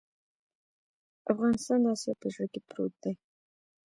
افغانستان د اسیا په زړه کې پروت دی